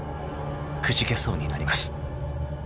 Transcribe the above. ［くじけそうになります］